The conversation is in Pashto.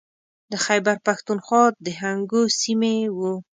د خیبر پښتونخوا د هنګو سیمې و.